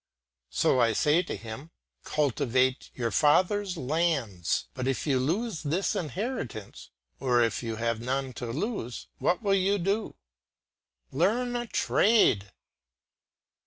So I say to him, "Cultivate your father's lands, but if you lose this inheritance, or if you have none to lose, what will you do? Learn a trade."